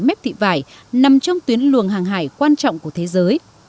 mép thị vải nằm trong tuyến luồng hàng hải quan trọng của thế giới